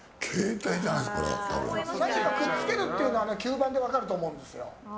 くっつけるっていうのは吸盤で分かると思うんですよ。